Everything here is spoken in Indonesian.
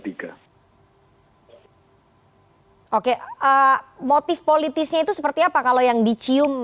oke motif politisnya itu seperti apa kalau yang dicium